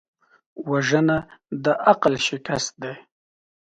وژنه د عقل شکست دی